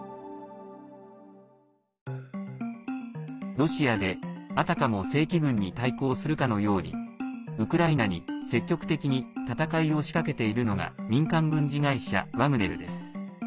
ロシアで、あたかも正規軍に対抗するかのようにウクライナに積極的に戦いを仕掛けているのが民間軍事会社ワグネルです。